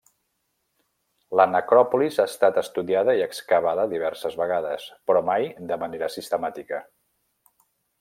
La necròpolis ha estat estudiada i excavada diverses vegades, però mai de manera sistemàtica.